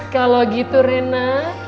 kalau gitu rena